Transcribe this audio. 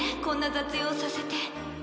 こんな雑用をさせて。